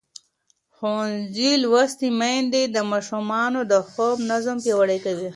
ښوونځې لوستې میندې د ماشومانو د خوب نظم پیاوړی کوي.